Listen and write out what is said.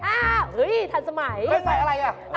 อ้าวเฮ้ยศัลสมัยใส่อะไร